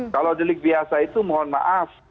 kalau delik biasa itu mohon maaf